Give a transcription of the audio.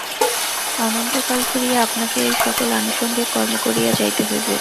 অনন্তকাল ধরিয়া আপনাকে এই-সকল আনুষঙ্গিক কর্ম করিয়া যাইতে হইবে।